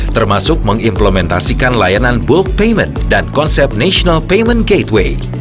termasuk mengimplementasikan layanan bull payment dan konsep national payment gateway